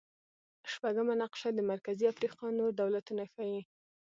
شپږمه نقشه د مرکزي افریقا نور دولتونه ښيي.